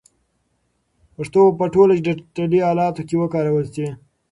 پښتو به په ټولو ډیجیټلي الاتو کې وکارول شي.